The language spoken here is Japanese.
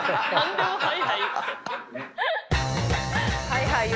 「はいはい」